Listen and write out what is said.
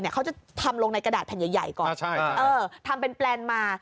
เขาจะทำลงในกระดาษแผ่นใหญ่ก่อนทำเป็นแปลนมา